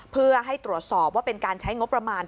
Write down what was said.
เพื่อให้ตรวจสอบว่าเป็นการใช้งบประมาณ